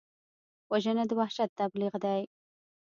وژنه د وحشت تبلیغ دی